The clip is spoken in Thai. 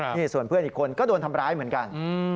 นี่ส่วนเพื่อนอีกคนก็โดนทำร้ายเหมือนกัน